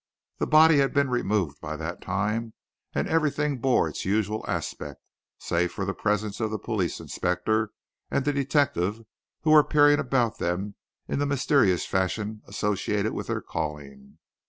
The body had been removed by that time, and everything bore its usual aspect, save for the presence of the police inspector and the detective, who were peering about them in the mysterious fashion associated with their calling.